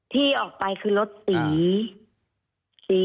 ที่ออกไปคือรถสี